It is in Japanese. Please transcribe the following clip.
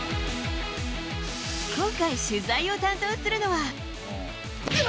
今回取材を担当するのは。